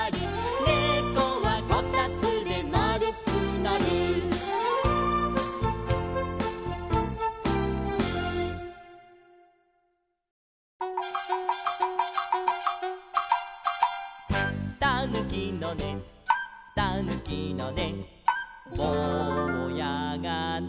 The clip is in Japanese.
「ねこはこたつで丸くなる」「たぬきのねたぬきのねぼうやがね」